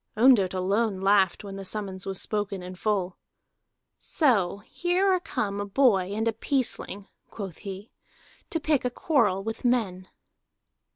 Ondott alone laughed when the summons was spoken in full. "So here are come a boy and a peaceling," quoth he, "to pick a quarrel with men."